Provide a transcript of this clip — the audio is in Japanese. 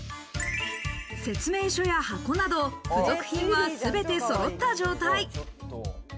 説明書や箱など、付属品は全てそろった状態。